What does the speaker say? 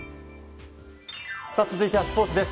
続いては、スポーツです。